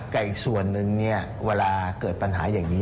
แต่อีกส่วนนึงเนี่ยเวลาเกิดปัญหาอย่างนี้